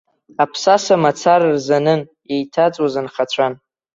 Аԥсаса мацара рзанын, еиҭаҵуаз нхацәан.